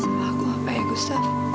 salah aku apa ya gustaf